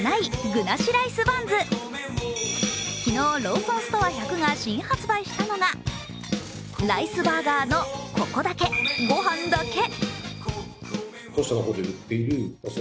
昨日、ローソンストア１００が新発売したのがライスバーガーの、ここだけ、御飯だけ。